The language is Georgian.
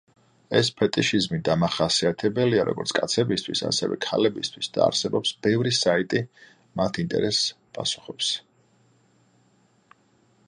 ეს ფეტიშიზმი დამახასიათებელია როგორც კაცებისთვის, ასევე ქალებისთვის და არსებობს ბევრი საიტი მათ ინტერესს პასუხობს.